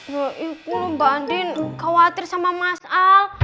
ya itu loh mbak andin khawatir sama mas al